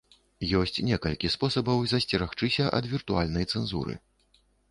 Ёсьць некалькі спосабаў засьцерагчыся ад віртуальнай цэнзуры.